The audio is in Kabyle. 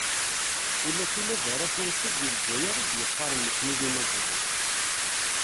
Ulac ula d arrat unṣib deg Lezzayer, i d-yaqqaren nekni d Imaziɣen.